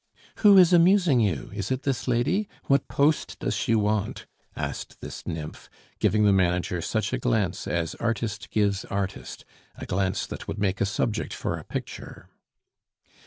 "Who is amusing you? Is it this lady? What post does she want?" asked this nymph, giving the manager such a glance as artist gives artist, a glance that would make a subject for a picture.